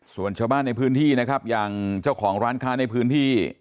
ส่วนชาวบ้านในพื้นที่นะครับอย่างเจ้าของร้านค้าในพื้นที่